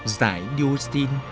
giải niu sinh